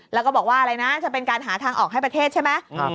แล้วก็บอกว่าอะไรนะจะเป็นการหาทางออกให้ประเทศใช่ไหม